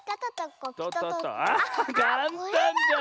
あかんたんじゃん！